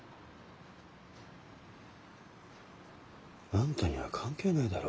あんたには関係ないだろ。